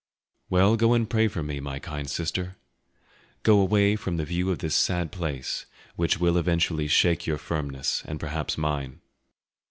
"Well, go and pray for me, my kind sister; go away from the view of this sad place, which will eventually shake your firmness, and perhaps mine.